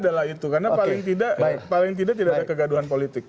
salah satunya adalah itu karena paling tidak tidak ada kegaduhan politik